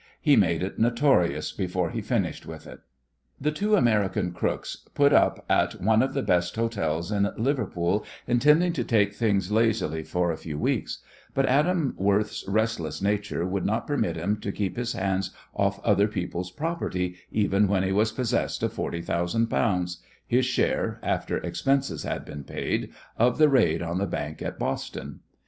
He made it notorious before he finished with it. The two American crooks put up at one of the best hotels in Liverpool, intending to take things lazily for a few weeks, but Adam Worth's restless nature would not permit him to keep his hands off other people's property even when he was possessed of forty thousand pounds his share, after expenses had been paid, of the raid on the bank at Boston.